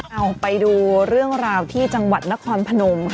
เอาไปดูเรื่องราวที่จังหวัดนครพนมค่ะ